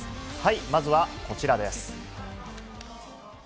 まずはこちらです。